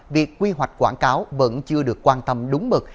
việc quy hoạch quảng cáo vẫn chưa được quan tâm đúng mực